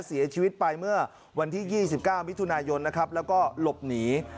เสียชีวิตไปเมื่อวันที่ยี่สิบเก้าวันวิทยุนายนนะครับแล้วก็หลบหนี